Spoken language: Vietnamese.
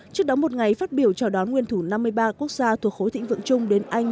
trước đó một ngày phát biểu chào đón nguyên thủ năm mươi ba quốc gia thuộc khối thịnh vượng chung đến anh